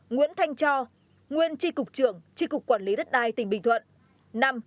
bốn nguyễn thanh cho nguyên tri cục trưởng tri cục quản lý đất đai tỉnh bình thuận